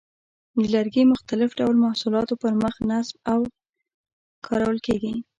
د لرګي مختلف ډول محصولاتو پر مخ نصب او کارول کېږي.